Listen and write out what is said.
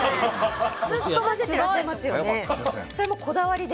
ずっと混ぜていらっしゃいますよね。